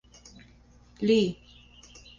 Leigh.